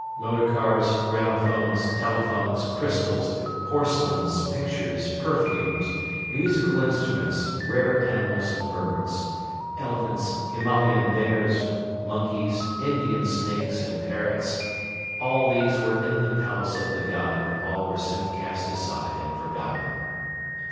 Motorcars, gramophones, telephones, crystals, porcelains, pictures, perfumes, musical instruments, rare animals and birds; elephants, Himalayan bears, monkeys, Indian snakes and parrots all these were in the palace of "the god" but all were soon cast aside and forgotten.